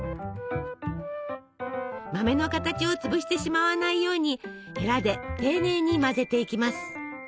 豆の形を潰してしまわないようにヘラで丁寧に混ぜていきます。